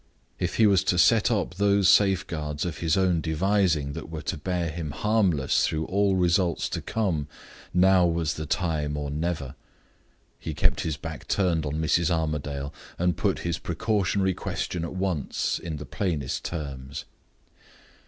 If he was to set up those safeguards of his own devising that were to bear him harmless through all results to come, now was the time, or never. He, kept his back turned on Mrs. Armadale, and put his precautionary question at once in the plainest terms.